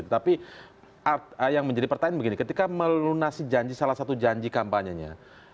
tapi yang menjadi pertanyaan begini ketika melunasi salah satu janji kampanyenya